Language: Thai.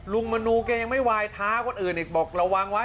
ลุงมนูแกยังไม่ไวท้คนอื่นบอกระวังไว้